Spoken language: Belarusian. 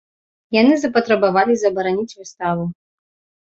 Яны запатрабавалі забараніць выставу.